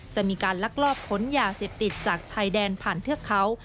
จะมีการลักลอบขนยาเสพติดจากชายแดนผ่านเทือกเขา